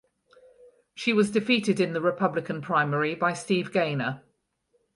She was defeated in the Republican primary by Steve Gaynor.